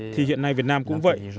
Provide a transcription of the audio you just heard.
thì hiện nay việt nam cũng vậy